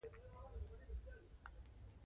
بلشویک انقلاب خپل اهداف تبلیغول.